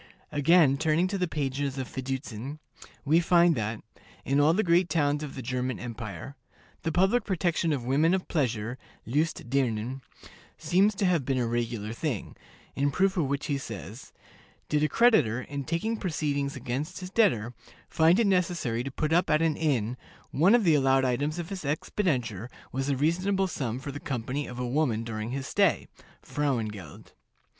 Again, turning to the pages of Fiducin, we find that, "in all the great towns of the German Empire, the public protection of women of pleasure (lust dirnen) seems to have been a regular thing," in proof of which he says, "Did a creditor, in taking proceedings against his debtor, find it necessary to put up at an inn, one of the allowed items of his expenditure was a reasonable sum for the company of a woman during his stay (frauen geld)."